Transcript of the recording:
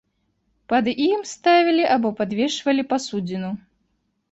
Пад ім ставілі або падвешвалі пасудзіну.